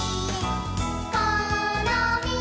「このみっ！」